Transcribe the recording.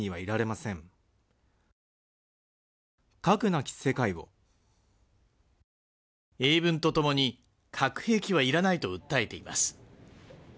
なき世界を英文とともに核兵器はいらないと訴えています